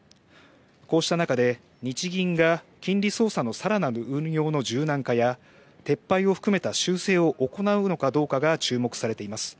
こうした中で日銀が金利操作の更なる運用の柔軟化や撤廃を含めた修正を行うのかどうかが注目されています。